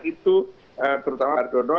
itu terutama ardono